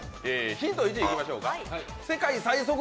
ヒントいきましょうか。